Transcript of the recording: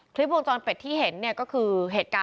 คลิปวงจรเป็นที่เห็นเนี่ยก็คือ